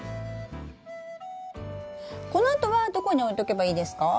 このあとはどこに置いとけばいいですか？